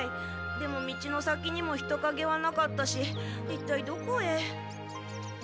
でも道の先にも人かげはなかったしいったいどこへ。